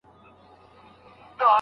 ارمان پوره سو د مُلا، مطرب له ښاره تللی